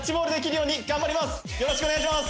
よろしくお願いします！